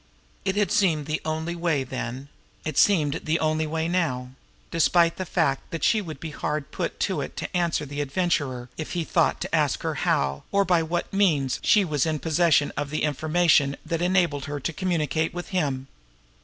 It had seemed the only way then; it seemed the only way now despite the fact that she would be hard put to it to answer the Adventurer if he thought to ask her how, or by what means, she was in possession of the information that enabled her to communicate with him.